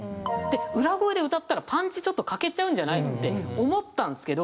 裏声で歌ったらパンチちょっと欠けちゃうんじゃないの？って思ったんですけど